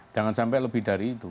jangan sampai lebih dari itu